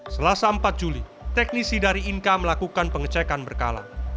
selasa empat juli teknisi dari inka melakukan pengecekan berkala